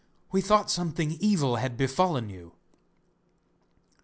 We thought something evil had befallen you.